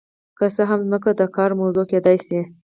که څه هم ځمکه د کار موضوع کیدای شي.